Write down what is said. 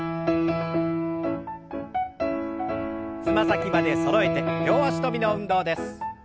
つま先までそろえて両脚跳びの運動です。